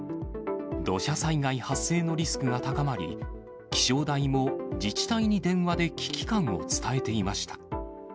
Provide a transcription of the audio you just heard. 土砂災害発生のリスクが高まり、気象台も自治体に電話で危機感を伝えていました。